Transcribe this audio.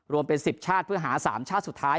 รวมเป็น๑๐ชาติเพื่อหา๓ชาติสุดท้าย